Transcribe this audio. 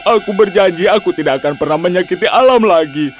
aku berjanji aku tidak akan pernah menyakiti alam lagi